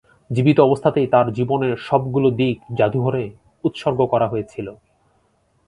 জীবিত অবস্থাতেই তার জীবনের সবগুলো দিক জাদুঘরে উৎসর্গ করা হয়েছিল।